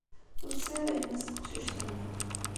Ur tesɛi ara yemma-s teqcict-nni.